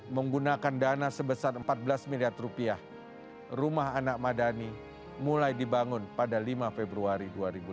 menggunakan dana sebesar empat belas miliar rupiah rumah anak madani mulai dibangun pada lima februari dua ribu lima belas